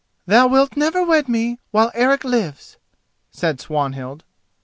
"Thou wilt never wed me while Eric lives," said Swanhild.